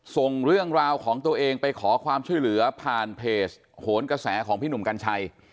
ส่งเรื่องราวของตัวเองไปขอความช่วยเหลือผ่านเพจโหนกระแสของพี่หนุ่มกัญชัย